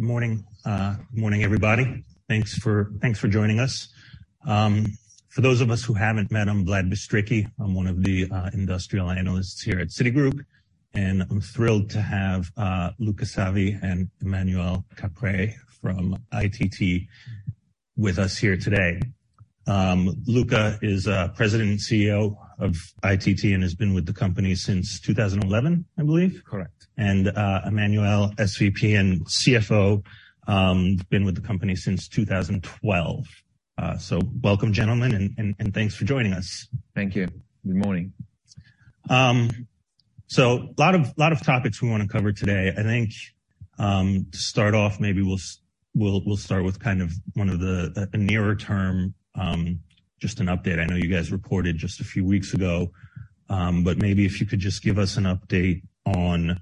Good morning. Good morning, everybody. Thanks for joining us. For those of us who haven't met, I'm Vlad Bystricky. I'm one of the industrial analysts here at Citigroup, and I'm thrilled to have Luca Savi and Emmanuel Caprais from ITT with us here today. Luca is President and CEO of ITT and has been with the company since 2011, I believe. Correct. Emmanuel, SVP and CFO, been with the company since 2012. Welcome, gentlemen, and thanks for joining us. Thank you. Good morning. Lot of topics we wanna cover today. I think, to start off, maybe we'll start with kind of one of the nearer term, just an update. I know you guys reported just a few weeks ago, but maybe if you could just give us an update on,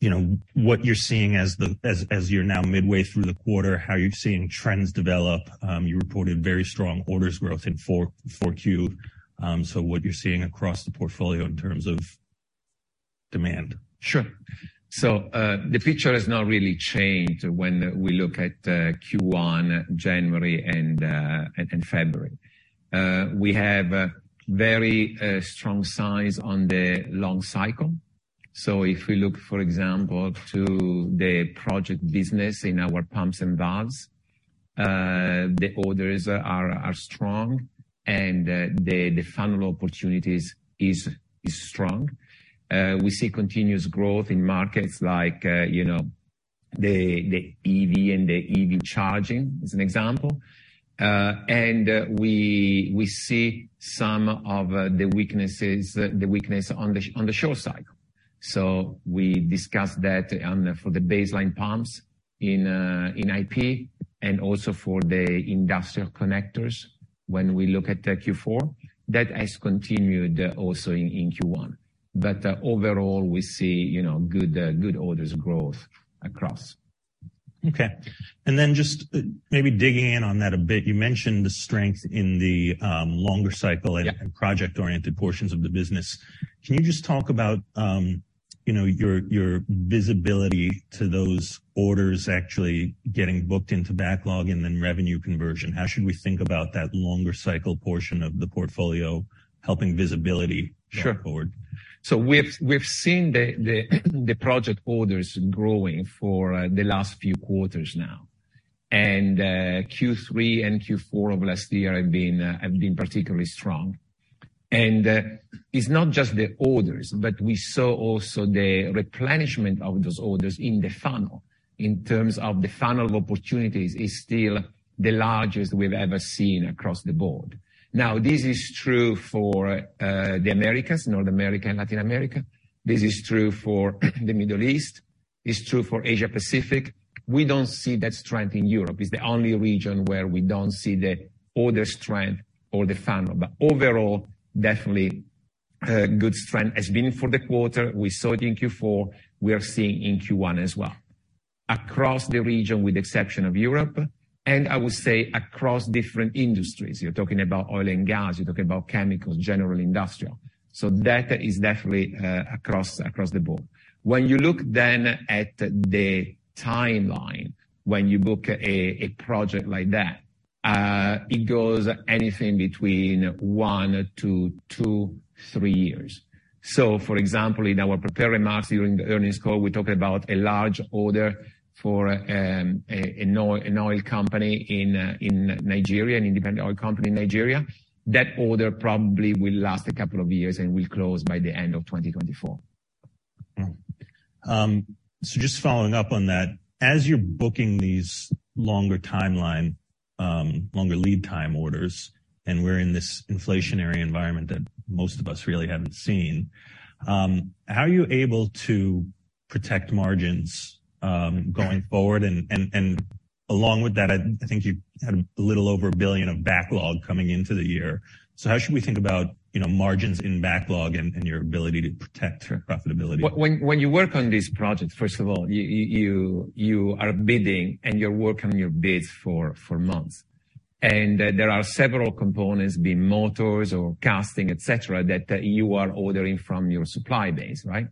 you know, what you're seeing as you're now midway through the quarter, how you're seeing trends develop. You reported very strong orders growth in 4Q, so what you're seeing across the portfolio in terms of demand. Sure. The picture has not really changed when we look at Q1, January, and February. We have a very strong signs on the long cycle. If we look, for example, to the project business in our pumps and valves, the orders are strong and the funnel opportunities is strong. We see continuous growth in markets like, you know, the EV and the EV charging, as an example. And we see some of the weaknesses, the weakness on the shore side. We discussed that for the baseline pumps in IP and also for the industrial connectors when we look at the Q4. That has continued also in Q1. Overall, we see, you know, good orders growth across. Okay. Just maybe digging in on that a bit, you mentioned the strength in the longer cycle. Yeah. Project-oriented portions of the business. Can you just talk about, you know, your visibility to those orders actually getting booked into backlog and then revenue conversion? How should we think about that longer cycle portion of the portfolio helping visibility going forward? Sure. We've seen the project orders growing for the last few quarters now. Q3 and Q4 of last year have been particularly strong. It's not just the orders, but we saw also the replenishment of those orders in the funnel, in terms of the funnel of opportunities is still the largest we've ever seen across the board. This is true for the Americas, North America and Latin America. This is true for the Middle East. It's true for Asia Pacific. We don't see that strength in Europe. It's the only region where we don't see the order strength or the funnel. Overall, definitely, good strength has been for the quarter. We saw it in Q4. We are seeing in Q1 as well, across the region, with the exception of Europe, and I would say across different industries. You're talking about oil and gas, you're talking about chemicals, general industrial. That is definitely across the board. When you look then at the timeline, when you book a project like that, it goes anything between one to two, three years. For example, in our prepared remarks during the earnings call, we talked about a large order for an oil company in Nigeria, an independent oil company in Nigeria. That order probably will last a couple of years and will close by the end of 2024. Just following up on that. As you're booking these longer timeline, longer lead time orders, and we're in this inflationary environment that most of us really haven't seen, how are you able to protect margins going forward? Along with that, I think you had a little over $1 billion of backlog coming into the year. How should we think about, you know, margins in backlog and your ability to protect profitability? When you work on these projects, first of all, you are bidding, and you're working your bids for months. There are several components, be it motors or casting, et cetera, that you are ordering from your supply base, right?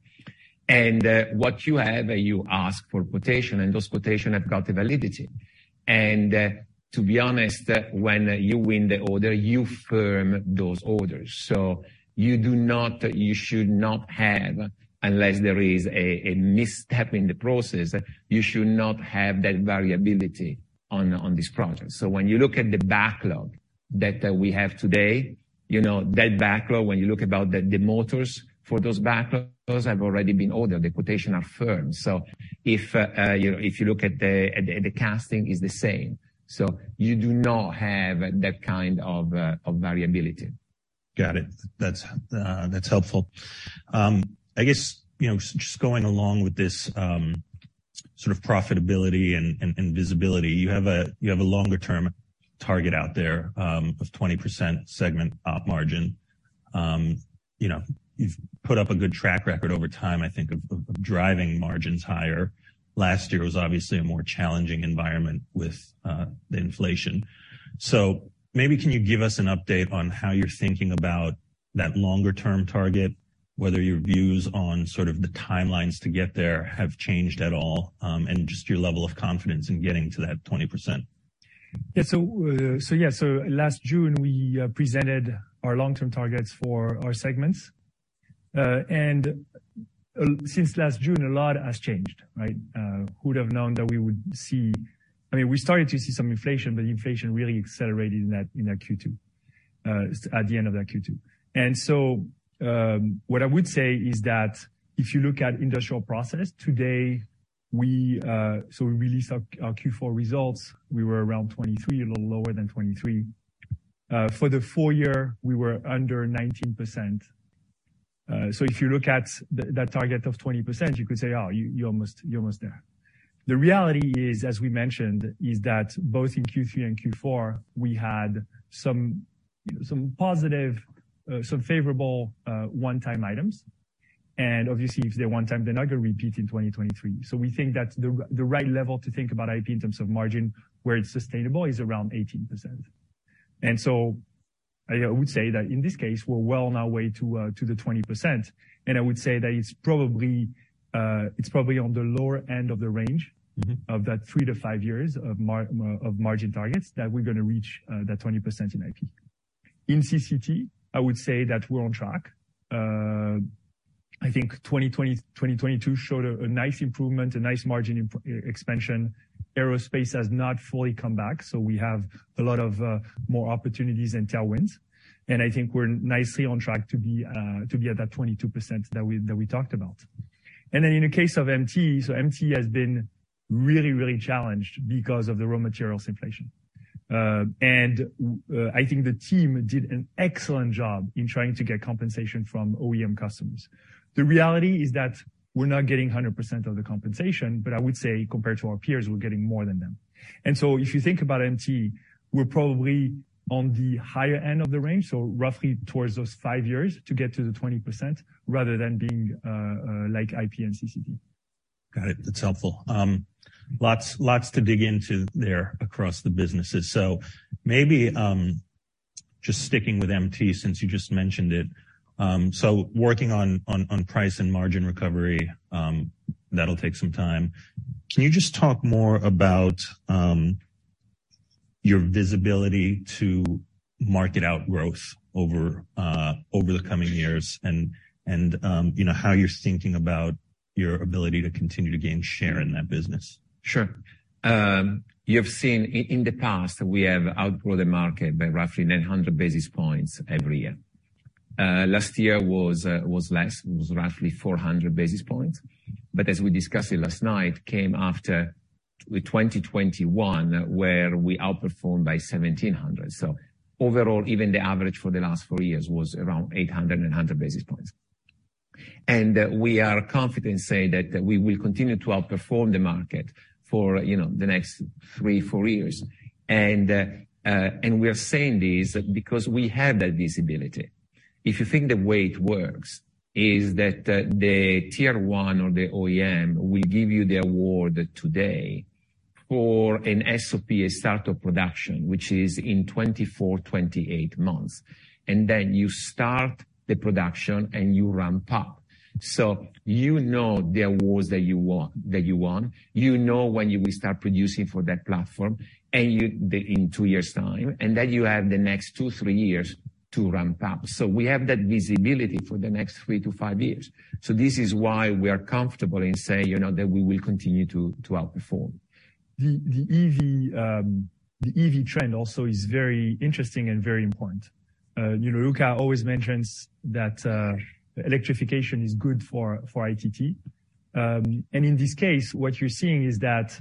What you have, you ask for quotation, and those quotation have got a validity. To be honest, when you win the order, you firm those orders. You should not have, unless there is a misstep in the process, you should not have that variability on this project. When you look at the backlog that we have today, you know, that backlog, when you look about the motors for those backlogs have already been ordered. The quotation are firm. If you look at the casting, it's the same. you do not have that kind of variability. Got it. That's helpful. I guess, you know, just going along with this, sort of profitability and visibility, you have a longer-term target out there, of 20% segment Op margin. You know, you've put up a good track record over time, I think, of driving margins higher. Last year was obviously a more challenging environment with, the inflation. Maybe can you give us an update on how you're thinking about that longer-term target? Whether your views on sort of the timelines to get there have changed at all, and just your level of confidence in getting to that 20%. Last June, we presented our long-term targets for our segments. Since last June, a lot has changed, right? Who'd have known that I mean, we started to see some inflation, but inflation really accelerated in that Q2, at the end of that Q2. What I would say is that if you look at Industrial Process, today, we released our Q4 results. We were around 23%, a little lower than 23%. For the full year, we were under 19%. If you look at that target of 20%, you could say, "Oh, you're almost there." The reality is, as we mentioned, is that both in Q3 and Q4, we had some positive, some favorable, one-time items. Obviously, if they're one-time, they're not gonna repeat in 2023. We think that the right level to think about IP in terms of margin, where it's sustainable, is around 18%. I would say that in this case, we're well on our way to the 20%. I would say that it's probably, it's probably on the lower end of the range of that 3-5 years of margin targets that we're gonna reach, that 20% in IP. In CCT, I would say that we're on track. I think 2020, 2022 showed a nice improvement, a nice margin expansion. Aerospace has not fully come back. We have a lot of, more opportunities and tailwinds. I think we're nicely on track to be at that 22% that we talked about. In the case of MT has been really challenged because of the raw materials inflation. I think the team did an excellent job in trying to get compensation from OEM customers. The reality is that we're not getting 100% of the compensation, but I would say compared to our peers, we're getting more than them. If you think about MT, we're probably on the higher end of the range, so roughly towards those 5 years to get to the 20% rather than being like IP and CCT. Got it. That's helpful. Lots to dig into there across the businesses. Maybe, just sticking with MT since you just mentioned it. Working on price and margin recovery, that'll take some time. Can you just talk more about your visibility to market outgrowth over the coming years and, you know, how you're thinking about your ability to continue to gain share in that business? Sure. You have seen in the past, we have outgrown the market by roughly 900 basis points every year. Last year was less. It was roughly 400 basis points. As we discussed it last night, came after with 2021, where we outperformed by 1,700. Overall, even the average for the last four years was around 800, 900 basis points. We are confident saying that we will continue to outperform the market for, you know, the next three, four years. We are saying this because we have that visibility. If you think the way it works is that the tier one or the OEM will give you the award today for an SOP, a start of production, which is in 24, 28 months, and then you start the production and you ramp up. you know the awards that you won, you know when you will start producing for that platform, and in two years' time, and then you have the next two, three years to ramp up. We have that visibility for the next three to five years. This is why we are comfortable in saying, you know, that we will continue to outperform. The EV trend also is very interesting and very important. You know, Luca always mentions that electrification is good for ITT. In this case, what you're seeing is that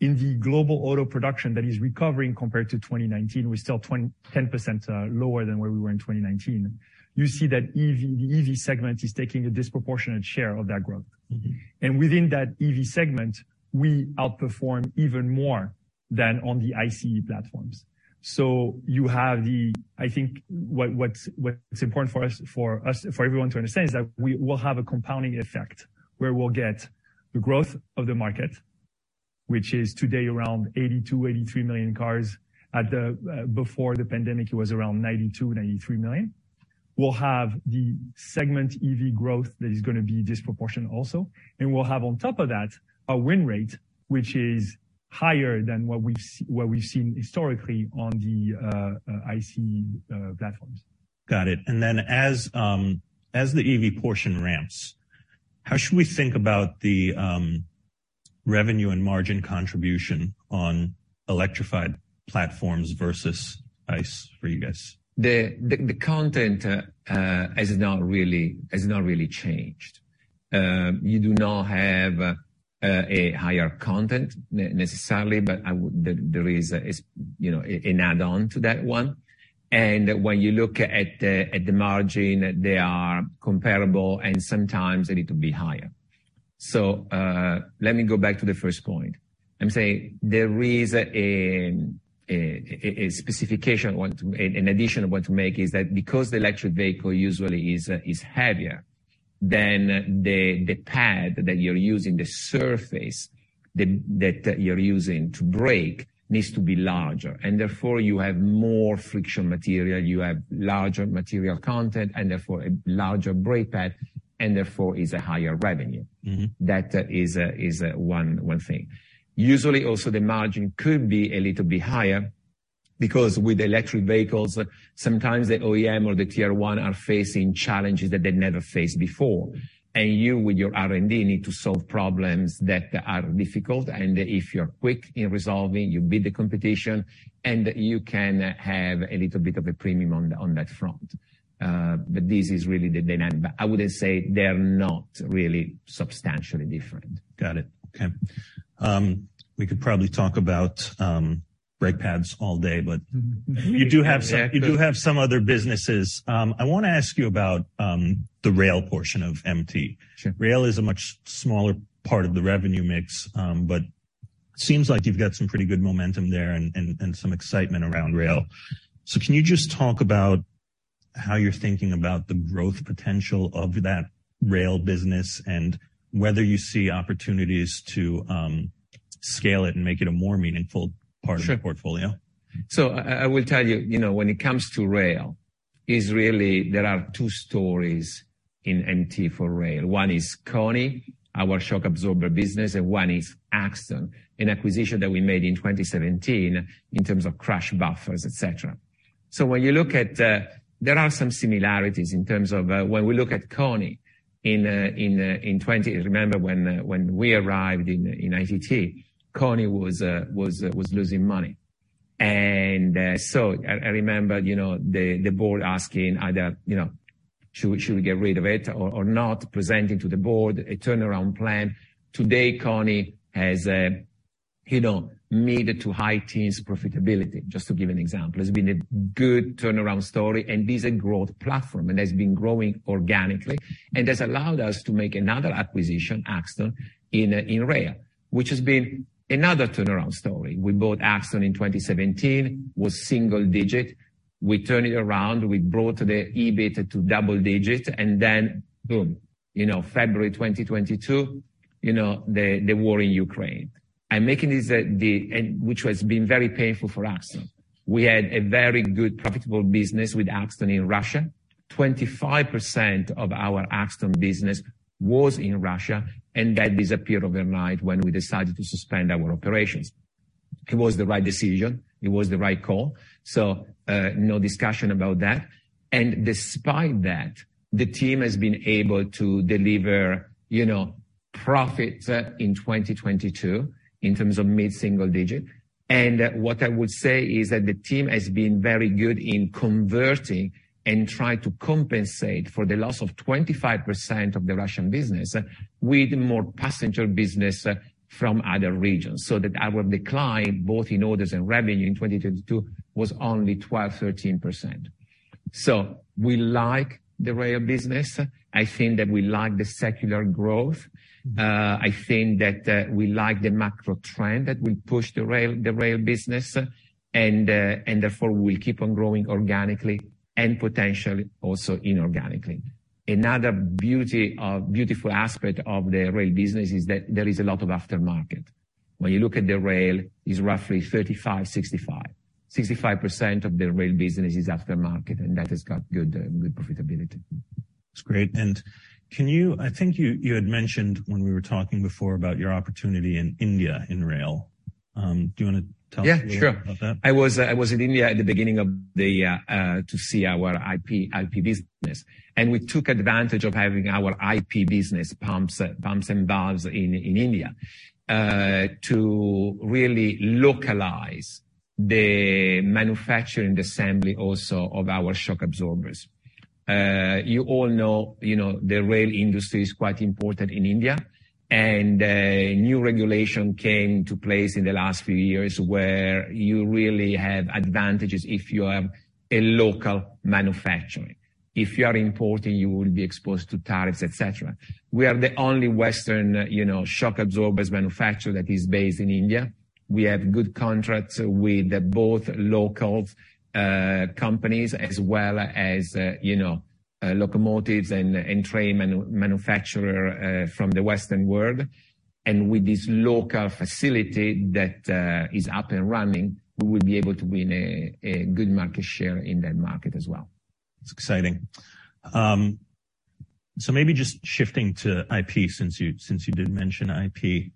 in the global auto production that is recovering compared to 2019, we're still 10% lower than where we were in 2019. You see that the EV segment is taking a disproportionate share of that growth. Mm-hmm. Within that EV segment, we outperform even more than on the ICE platforms. You have what's important for us, for everyone to understand is that we will have a compounding effect where we'll get the growth of the market, which is today around 82-83 million cars. At the before the pandemic, it was around 92-93 million. We'll have the segment EV growth that is gonna be disproportionate also. We'll have on top of that, a win rate which is higher than what we've, what we've seen historically on the ICE platforms. Got it. As the EV portion ramps, how should we think about the revenue and margin contribution on electrified platforms versus ICE for you guys? The content is not really changed. You do not have a higher content necessarily, but there is, you know, an add-on to that one. When you look at the margin, they are comparable, and sometimes a little bit higher. Let me go back to the first point. I'm saying there is a specification I want to make is that because the electric vehicle usually is heavier, the pad that you're using, the surface that you're using to brake needs to be larger, and therefore you have more friction material, you have larger material content and therefore a larger brake pad, and therefore is a higher revenue. Mm-hmm. That is a one thing. Usually also the margin could be a little bit higher because with electric vehicles, sometimes the OEM or the Tier 1 are facing challenges that they never faced before. You with your R&D need to solve problems that are difficult. If you're quick in resolving, you beat the competition, and you can have a little bit of a premium on that front. This is really the dynamic. I wouldn't say they are not really substantially different. Got it. Okay. We could probably talk about, brake pads all day. You do have some other businesses. I want to ask you about, the rail portion of MT. Sure. Rail is a much smaller part of the revenue mix, but seems like you've got some pretty good momentum there and some excitement around rail. Can you just talk about how you're thinking about the growth potential of that rail business and whether you see opportunities to scale it and make it a more meaningful part... Sure of the portfolio? I will tell you know, when it comes to rail, it's really there are two stories in MT for rail. One is KONI, our shock absorber business, and one is Axtone, an acquisition that we made in 2017 in terms of crash buffers, et cetera. When you look at, there are some similarities in terms of when we look at KONI. Remember when we arrived in ITT, KONI was losing money. I remember, you know, the board asking either, you know, should we get rid of it or not, presenting to the board a turnaround plan. Today, KONI has, you know, made it to high teens profitability, just to give an example. It's been a good turnaround story, and it's a growth platform. It has been growing organically, has allowed us to make another acquisition, Axtone, in rail, which has been another turnaround story. We bought Axtone in 2017. It was single-digit. We turned it around, we brought the EBIT to double-digit, then boom, you know, February 2022, you know, the war in Ukraine. Which has been very painful for Axtone. We had a very good profitable business with Axtone in Russia. 25% of our Axtone business was in Russia, that disappeared overnight when we decided to suspend our operations. It was the right decision. It was the right call. No discussion about that. Despite that, the team has been able to deliver, you know, profits in 2022 in terms of mid-single-digit. What I would say is that the team has been very good in converting and trying to compensate for the loss of 25% of the Russian business with more passenger business from other regions, so that our decline, both in orders and revenue in 2022 was only 12%-13%. We like the rail business. I think that we like the secular growth. I think that we like the macro trend that will push the rail business, and therefore we keep on growing organically and potentially also inorganically. Another beautiful aspect of the rail business is that there is a lot of aftermarket. When you look at the rail, it's roughly 35/65. 65% of the rail business is aftermarket, and that has got good profitability. That's great. I think you had mentioned when we were talking before about your opportunity in India in rail, do you wanna tell us a little about that? Yeah, sure. I was in India at the beginning of the to see our IP business. We took advantage of having our IP business pumps and valves in India to really localize the manufacturing and assembly also of our shock absorbers. You all know, you know, the rail industry is quite important in India, and a new regulation came to place in the last few years where you really have advantages if you have a local manufacturing. If you are importing, you will be exposed to tariffs, et cetera. We are the only Western, you know, shock absorbers manufacturer that is based in India. We have good contracts with both local companies as well as, you know, locomotives and train manufacturer from the Western world. With this local facility that is up and running, we will be able to win a good market share in that market as well. It's exciting. Maybe just shifting to IP since you did mention IP.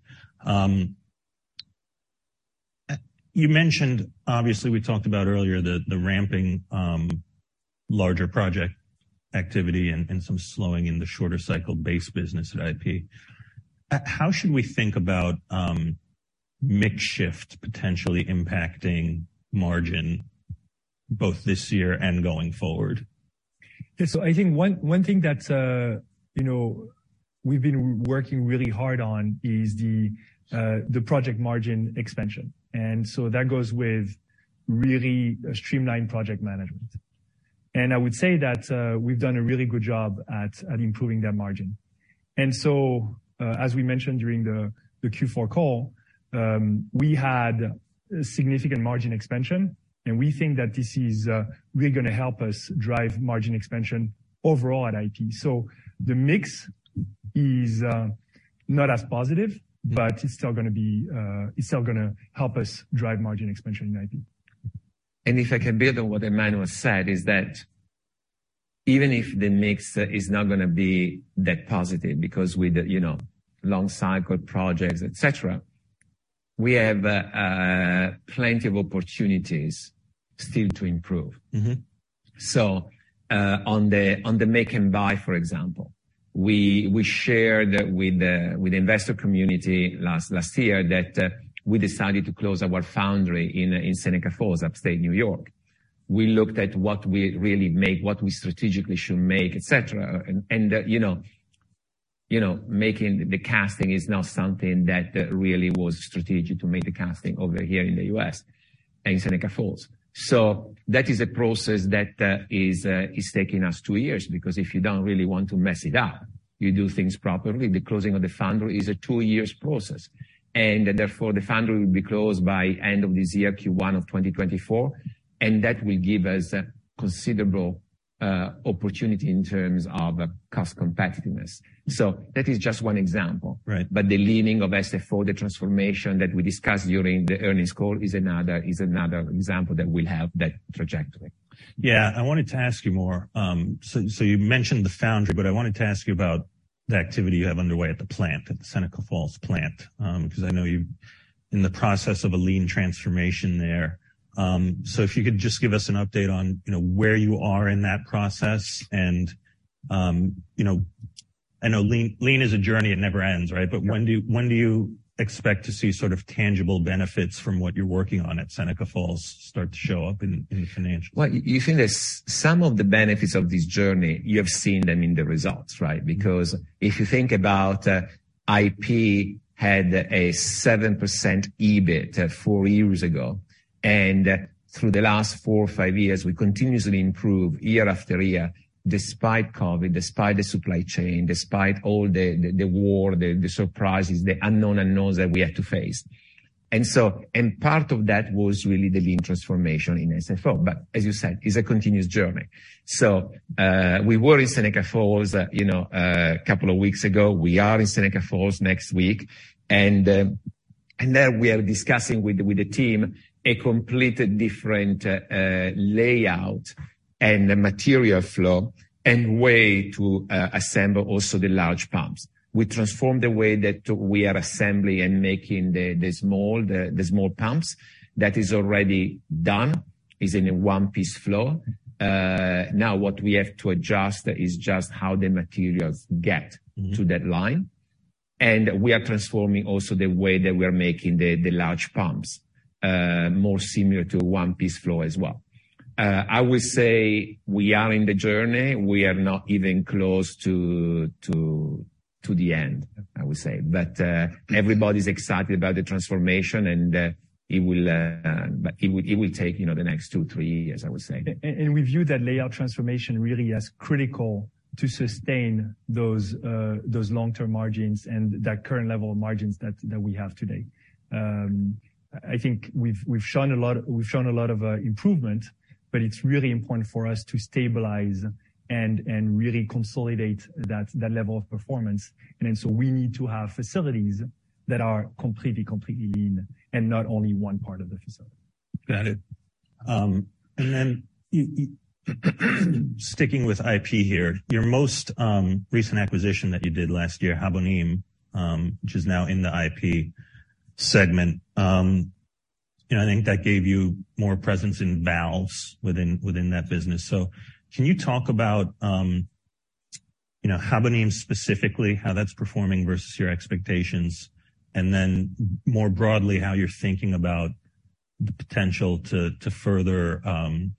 You mentioned, obviously we talked about earlier the ramping, larger project activity and some slowing in the shorter cycle-based business at IP. How should we think about mix shift potentially impacting margin both this year and going forward? I think one thing that, you know, we've been working really hard on is the project margin expansion. That goes with really a streamlined project management. I would say that we've done a really good job at improving that margin. As we mentioned during the Q4 call, we had a significant margin expansion, and we think that this is really gonna help us drive margin expansion overall at IP. The mix is not as positive, but it's still gonna be, it's still gonna help us drive margin expansion in IP. If I can build on what Emmanuel said, is that even if the mix is not gonna be that positive, because with, you know, long cycle projects, et cetera, we have plenty of opportunities still to improve. Mm-hmm. On the make and buy, for example, we shared with the investor community last year that we decided to close our foundry in Seneca Falls, upstate New York. We looked at what we really make, what we strategically should make, et cetera. That, you know, making the casting is not something that really was strategic to make the casting over here in the U.S., in Seneca Falls. That is a process that is taking us two years, because if you don't really want to mess it up, you do things properly. The closing of the foundry is a two years process, and therefore the foundry will be closed by end of this year, Q1 of 2024, and that will give us considerable opportunity in terms of cost competitiveness. That is just one example. Right. The leaning of SFO, the transformation that we discussed during the earnings call is another example that we have that trajectory. Yeah. I wanted to ask you more. You mentioned the foundry, but I wanted to ask you about the activity you have underway at the plant, at the Seneca Falls plant. Because I know you're in the process of a lean transformation there. If you could just give us an update on, you know, where you are in that process and, you know, I know lean is a journey. It never ends, right? Yeah. When do you expect to see sort of tangible benefits from what you're working on at Seneca Falls start to show up in the financials? Well, you think that some of the benefits of this journey, you have seen them in the results, right? Because if you think about IP had a 7% EBIT four years ago, and through the last four or five years, we continuously improve year after year, despite COVID, despite the supply chain, despite all the war, the surprises, the unknown unknowns that we have to face. Part of that was really the lean transformation in SFO. But as you said, it's a continuous journey. We were in Seneca Falls, you know, a couple of weeks ago. We are in Seneca Falls next week, and there we are discussing with the team a complete different layout and material flow and way to assemble also the large pumps. We transformed the way that we are assembling and making the small pumps. That is already done. It's in a one-piece flow. Now what we have to adjust is just how the materials get. Mm-hmm. -to that line. We are transforming also the way that we are making the large pumps more similar to one-piece flow as well. I would say we are in the journey. We are not even close to the end, I would say. Everybody's excited about the transformation and it will take, you know, the next two-three years, I would say. We view that layout transformation really as critical to sustain those long-term margins and that current level of margins that we have today. I think we've shown a lot of improvement, but it's really important for us to stabilize and really consolidate that level of performance. We need to have facilities that are completely lean and not only one part of the facility. Got it. You sticking with IP here, your most recent acquisition that you did last year, Habonim, which is now in the IP segment, you know, I think that gave you more presence in valves within that business. Can you talk about, you know, Habonim specifically, how that's performing versus your expectations, and then more broadly, how you're thinking about the potential to further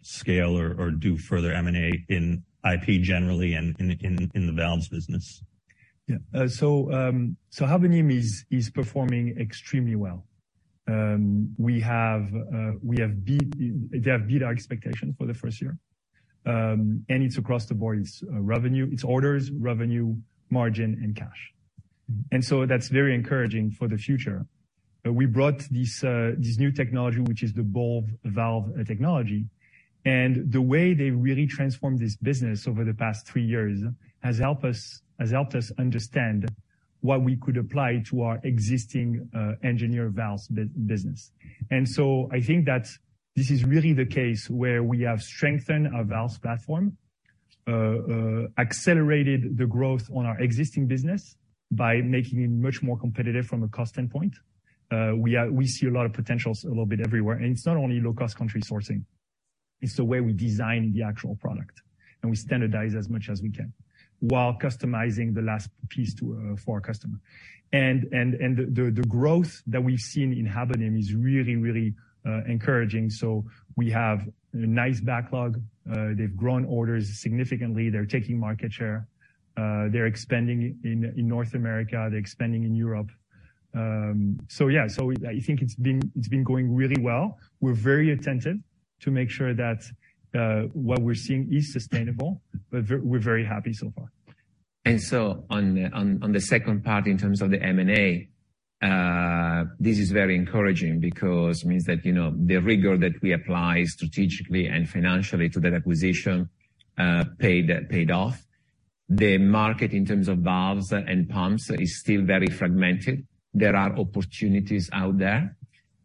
scale or do further M&A in IP generally and in the valves business? Habonim is performing extremely well. They have beat our expectations for the first year. It's across the board. It's revenue, it's orders, revenue, margin and cash. That's very encouraging for the future. We brought this new technology, which is the ball valve technology, the way they really transformed this business over the past three years has helped us understand what we could apply to our existing engineer valves business. I think that this is really the case where we have strengthened our valves platform, accelerated the growth on our existing business by making it much more competitive from a cost standpoint. We see a lot of potentials a little bit everywhere, it's not only low-cost country sourcing. It's the way we design the actual product, and we standardize as much as we can while customizing the last piece to for our customer. The growth that we've seen in Habonim is really, really encouraging. We have a nice backlog. They've grown orders significantly. They're taking market share. They're expanding in North America. They're expanding in Europe. Yeah. I think it's been going really well. We're very attentive to make sure that what we're seeing is sustainable, but we're very happy so far. On the second part, in terms of the M&A, this is very encouraging because it means that, you know, the rigor that we apply strategically and financially to that acquisition, paid off. The market in terms of valves and pumps is still very fragmented. There are opportunities out there,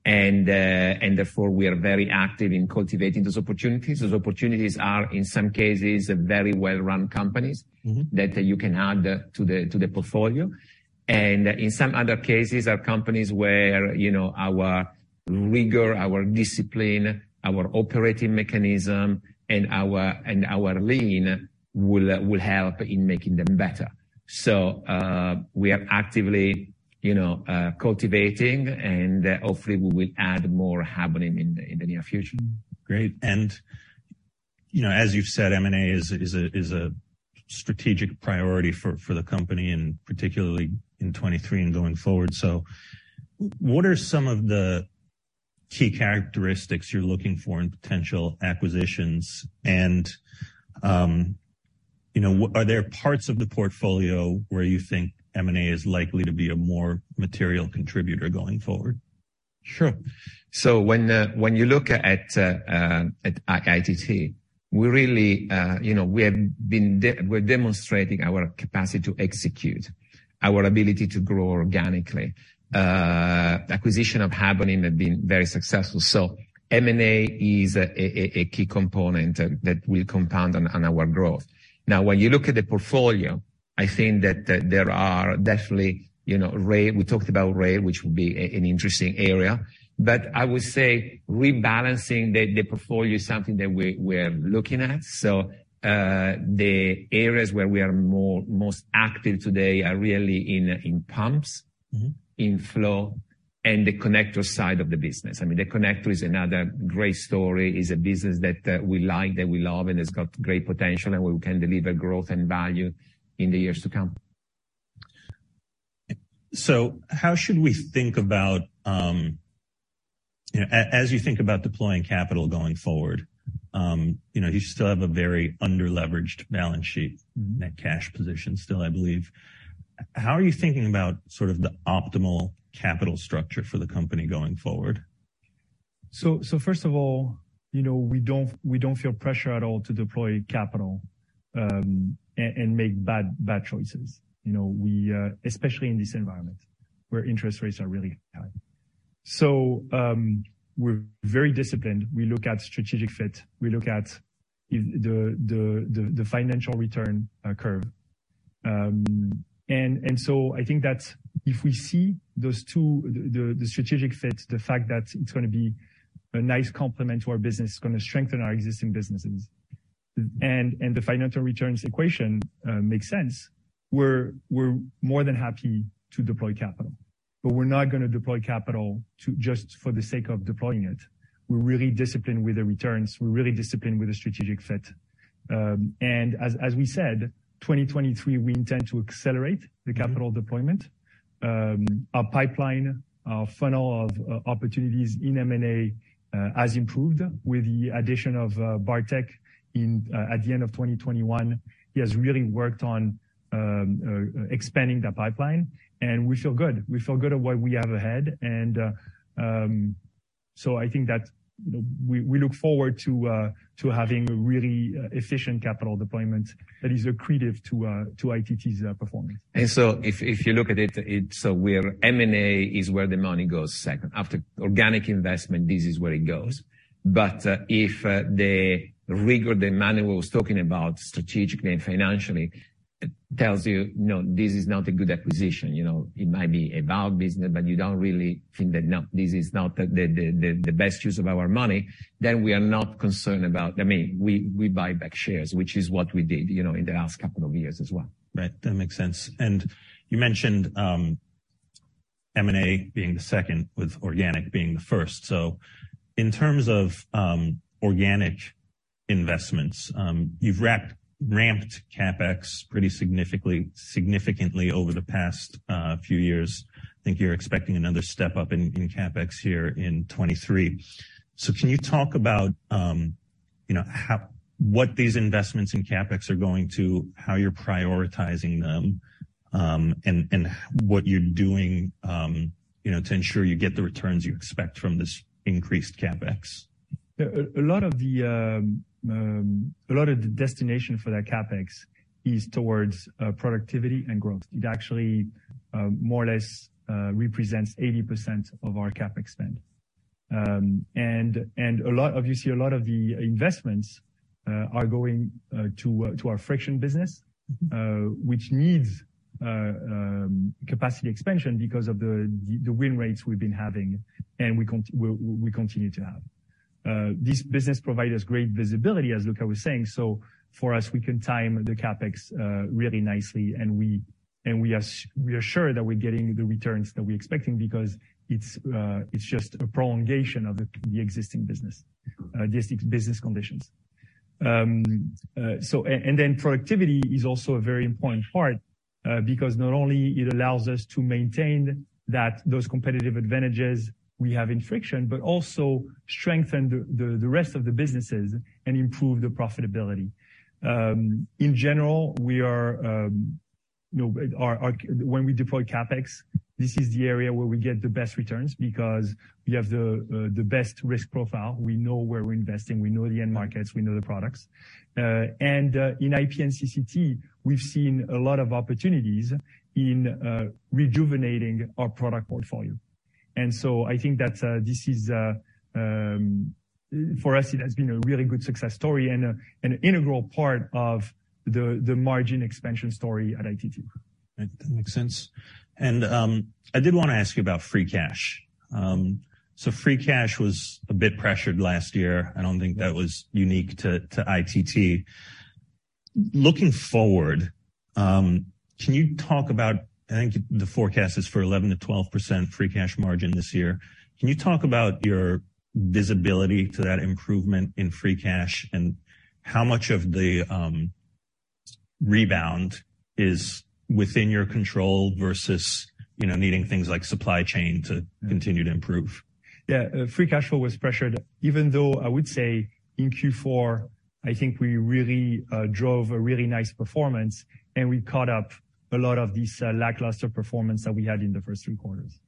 and therefore we are very active in cultivating those opportunities. Those opportunities are, in some cases, very well-run companies. Mm-hmm. -that you can add to the, to the portfolio. In some other cases are companies where, you know, our rigor, our discipline, our operating mechanism, and our, and our lean will help in making them better. We are actively, you know, cultivating and hopefully we will add more Habonim in the, in the near future. Great. You know, as you've said, M&A is a strategic priority for the company and particularly in 2023 and going forward. What are some of the key characteristics you're looking for in potential acquisitions? You know, are there parts of the portfolio where you think M&A is likely to be a more material contributor going forward? Sure. When you look at ITT, we really, you know, we're demonstrating our capacity to execute, our ability to grow organically. Acquisition of Habonim has been very successful. M&A is a key component that will compound on our growth. When you look at the portfolio, I think that there are definitely, you know, rail. We talked about rail, which will be an interesting area. I would say rebalancing the portfolio is something that we're looking at. The areas where we are most active today are really in pumps. Mm-hmm. In flow, and the connector side of the business. I mean, the connector is another great story, is a business that we like, that we love, and it's got great potential, and we can deliver growth and value in the years to come. How should we think about, you know, as you think about deploying capital going forward, you know, you still have a very under-leveraged balance sheet. Mm-hmm. Net cash position still, I believe. How are you thinking about sort of the optimal capital structure for the company going forward? First of all, you know, we don't feel pressure at all to deploy capital and make bad choices, you know, especially in this environment where interest rates are really high. We're very disciplined. We look at strategic fit, we look at the financial return curve. I think that if we see those two, the strategic fit, the fact that it's gonna be a nice complement to our business, it's gonna strengthen our existing businesses. And the financial returns equation makes sense, we're more than happy to deploy capital. We're not gonna deploy capital to just for the sake of deploying it. We're really disciplined with the returns. We're really disciplined with the strategic fit. As we said, 2023, we intend to accelerate the capital deployment. Our pipeline, our funnel of opportunities in M&A has improved with the addition of Bartek at the end of 2021. He has really worked on expanding the pipeline, and we feel good. We feel good at what we have ahead. I think that we look forward to having a really efficient capital deployment that is accretive to ITT's performance. If you look at it's where M&A is where the money goes second. After organic investment, this is where it goes. If the rigor that Emmanuel was talking about strategically and financially tells you, "No, this is not a good acquisition," you know, it might be a valve business, but you don't really think that, no, this is not the best use of our money, then we are not concerned about. I mean, we buy back shares, which is what we did, you know, in the last couple of years as well. Right. That makes sense. You mentioned M&A being the second, with organic being the first. In terms of organic investments, you've ramped CapEx pretty significantly over the past few years. I think you're expecting another step up in CapEx here in 2023. Can you talk about, you know, what these investments in CapEx are going to, how you're prioritizing them, and what you're doing, you know, to ensure you get the returns you expect from this increased CapEx? A lot of the destination for that CapEx is towards productivity and growth. It actually more or less represents 80% of our CapEx spend. A lot of the investments are going to our friction business. Mm-hmm. which needs capacity expansion because of the win rates we've been having and we continue to have. This business provide us great visibility, as Luca was saying. For us, we can time the CapEx really nicely, and we are sure that we're getting the returns that we're expecting because it's just a prolongation of the existing business conditions. Then productivity is also a very important part. Because not only it allows us to maintain those competitive advantages we have in friction, but also strengthen the rest of the businesses and improve the profitability. In general, we are, you know, our... When we deploy CapEx, this is the area where we get the best returns because we have the best risk profile. We know where we're investing, we know the end markets, we know the products. In IP and CCT, we've seen a lot of opportunities in rejuvenating our product portfolio. I think that this is for us it has been a really good success story and an integral part of the margin expansion story at ITT. That makes sense. I did wanna ask you about free cash. Free cash was a bit pressured last year. I don't think that was unique to ITT. Looking forward, can you talk about, I think the forecast is for 11%-12% free cash margin this year. Can you talk about your visibility to that improvement in free cash, and how much of the rebound is within your control versus, you know, needing things like supply chain to continue to improve? Yeah. Free cash flow was pressured. Even though I would say in Q4, I think we really drove a really nice performance, and we caught up a lot of this lackluster performance that we had in the first three quarters.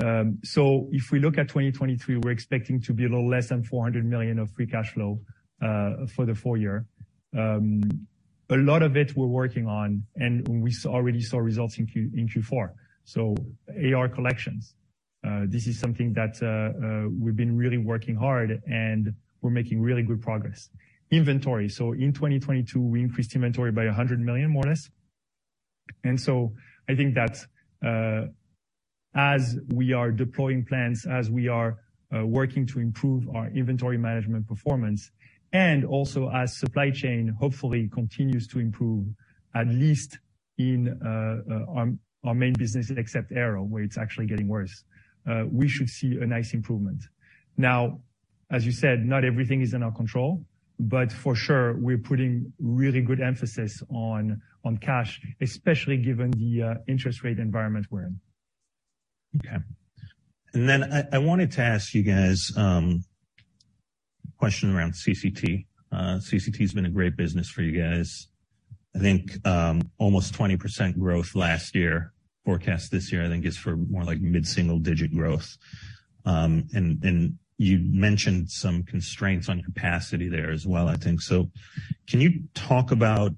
If we look at 2023, we're expecting to be a little less than $400 million of free cash flow for the full year. A lot of it we're working on, and we already saw results in Q4. AR collections, this is something that we've been really working hard, and we're making really good progress. Inventory. In 2022, we increased inventory by $100 million, more or less. I think that as we are deploying plans, as we are working to improve our inventory management performance, and also as supply chain hopefully continues to improve, at least in our main business except Aero, where it's actually getting worse, we should see a nice improvement. Now, as you said, not everything is in our control, but for sure, we're putting really good emphasis on cash, especially given the interest rate environment we're in. Okay. I wanted to ask you guys, a question around CCT. CCT has been a great business for you guys. I think, almost 20% growth last year. Forecast this year, I think, is for more like mid-single digit growth. You mentioned some constraints on capacity there as well, I think. Can you talk about,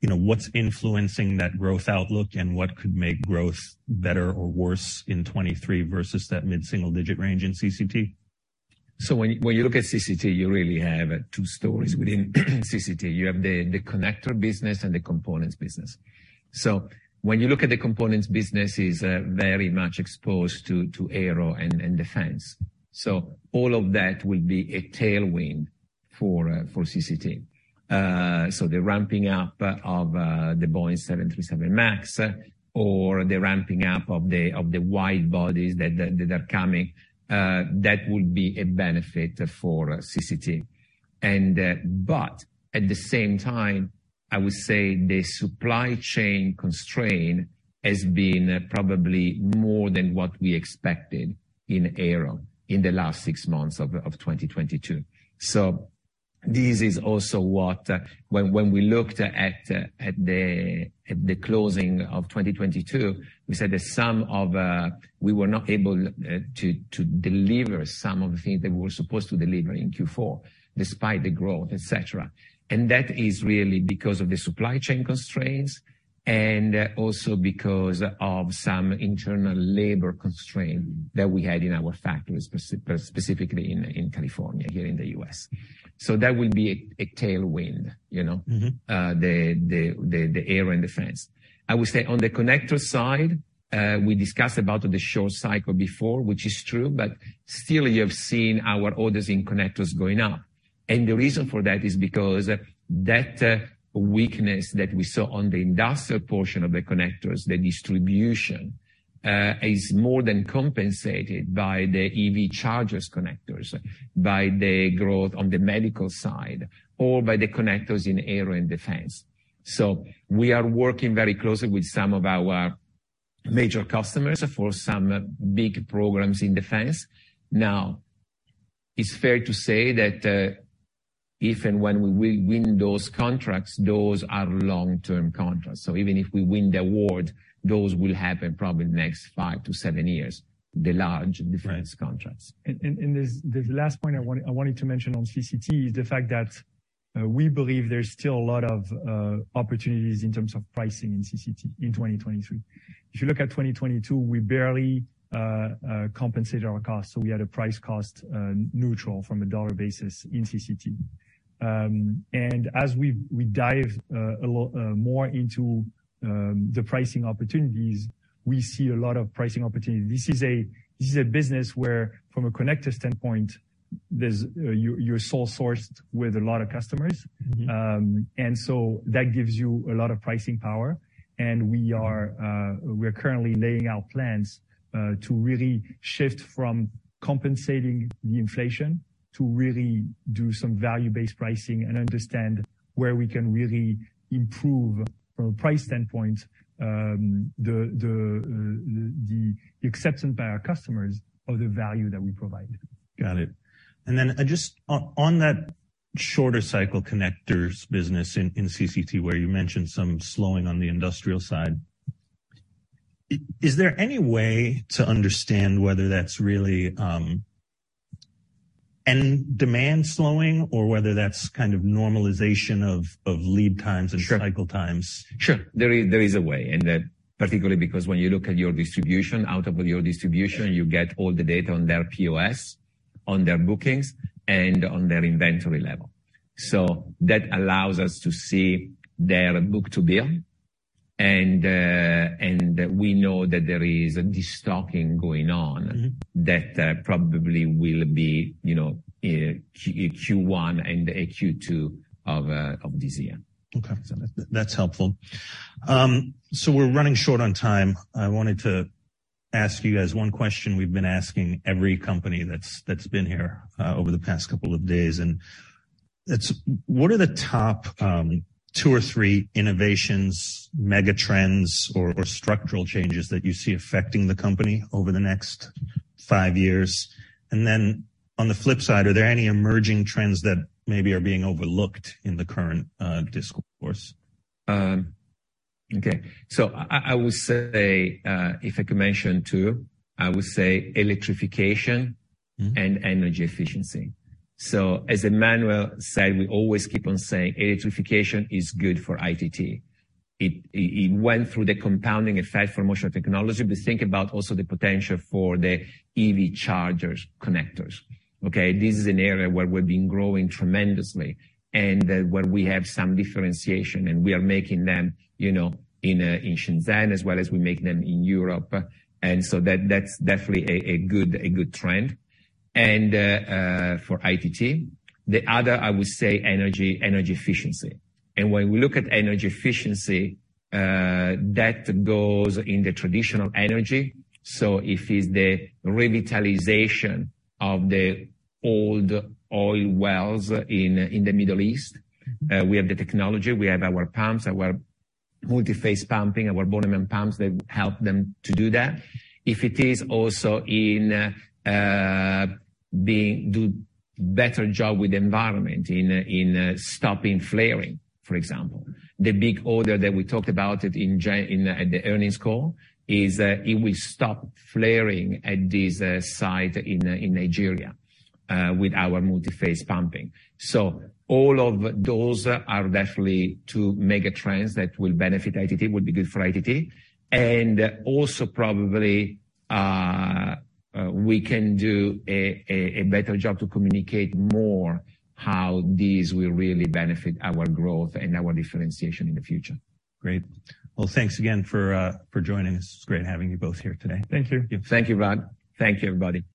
you know, what's influencing that growth outlook and what could make growth better or worse in 2023 versus that mid-single digit range in CCT? When you look at CCT, you really have two stories within CCT. You have the connector business and the components business. When you look at the components business, it's very much exposed to Aero and Defense. All of that will be a tailwind for CCT. The ramping up of the Boeing 737 MAX or the ramping up of the wide bodies that are coming, that will be a benefit for CCT. But at the same time, I would say the supply chain constraint has been probably more than what we expected in Aero in the last six months of 2022. This is also what, when we looked at the closing of 2022, we said that some of we were not able to deliver some of the things that we were supposed to deliver in Q4, despite the growth, et cetera. That is really because of the supply chain constraints and also because of some internal labor constraint that we had in our factories, specifically in California, here in the U.S. That will be a tailwind, you know. Mm-hmm. The Aero and Defense. I would say on the connector side, we discussed about the short cycle before, which is true, but still you have seen our orders in connectors going up. The reason for that is because that weakness that we saw on the industrial portion of the connectors, the distribution, is more than compensated by the EV Charging Connectors, by the growth on the medical side, or by the connectors in Aero and Defense. We are working very closely with some of our major customers for some big programs in Defense. It's fair to say that, if and when we win those contracts, those are long-term contracts. Even if we win the award, those will happen probably next five to seven years, the large Defense contracts. Right. the last point I wanted to mention on CCT is the fact that we believe there's still a lot of opportunities in terms of pricing in CCT in 2023. If you look at 2022, we barely compensated our costs, so we had a price cost neutral from a dollar basis in CCT. As we dive a lot more into the pricing opportunities, we see a lot of pricing opportunity. This is a business where from a connector standpoint. You're sole sourced with a lot of customers. Mm-hmm. That gives you a lot of pricing power. We are, we are currently laying out plans to really shift from compensating the inflation to really do some value-based pricing and understand where we can really improve from a price standpoint, the acceptance by our customers of the value that we provide. Got it. Then just on that shorter cycle connectors business in CCT where you mentioned some slowing on the industrial side. Is there any way to understand whether that's really end demand slowing or whether that's kind of normalization of lead times and... Sure. -cycle times? Sure. There is a way, particularly because when you look at your distribution, out of your distribution, you get all the data on their POS, on their bookings, and on their inventory level. That allows us to see their book-to-bill. We know that there is destocking going on. Mm-hmm. that probably will be, you know, in Q1 and Q2 of this year. Okay. That's helpful. We're running short on time. I wanted to ask you guys one question we've been asking every company that's been here over the past couple of days, and that's: What are the top two or three innovations, mega trends or structural changes that you see affecting the company over the next five years? On the flip side, are there any emerging trends that maybe are being overlooked in the current discourse? Okay. I would say, if I could mention two, I would say electrification. Mm-hmm. energy efficiency. As Emmanuel said, we always keep on saying electrification is good for ITT. It went through the compounding effect for motion technology, but think about also the potential for the EV Charging Connectors. Okay? This is an area where we've been growing tremendously and where we have some differentiation, and we are making them, you know, in Shenzhen as well as we make them in Europe. That's definitely a good trend. For ITT. The other, I would say energy efficiency. When we look at energy efficiency, that goes in the traditional energy. If it's the revitalization of the old oil wells in the Middle East, we have the technology, we have our pumps, our multiphase pumping, our bottom-hole pumps that help them to do that. If it is also in do better job with environment, in stopping flaring, for example. The big order that we talked about it at the earnings call is it will stop flaring at this site in Nigeria with our multi-phase pumping. All of those are definitely 2 mega trends that will benefit ITT, would be good for ITT. Also probably we can do a better job to communicate more how these will really benefit our growth and our differentiation in the future. Great. Well, thanks again for joining us. It's great having you both here today. Thank you. Thank you. Thank you, Vlad. Thank you, everybody.